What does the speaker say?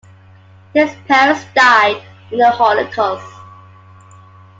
His parents died in the Holocaust.